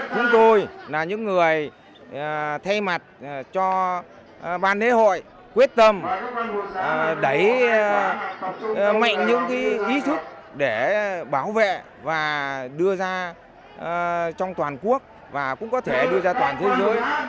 chúng tôi là những người thay mặt cho ban lễ hội quyết tâm đẩy mạnh những ý thức để bảo vệ và đưa ra trong toàn quốc và cũng có thể đưa ra toàn thế giới